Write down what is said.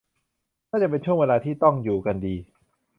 น่าจะเป็นช่วงเวลาที่ต้องอยู่กันดี